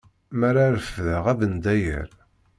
Mi ara refdeɣ abendayer.